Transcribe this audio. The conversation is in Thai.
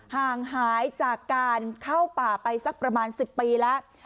ห่างหายจากการเข้าป่าไปสักประมาณ๑๐ปีแล้ว